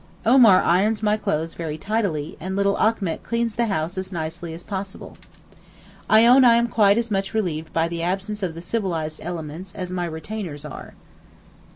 Omar irons my clothes very tidily, and little Achmet cleans the house as nicely as possible. I own I am quite as much relieved by the absence of the 'civilized element' as my retainers are.